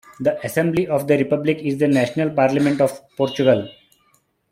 The Assembly of the Republic is the national parliament of Portugal.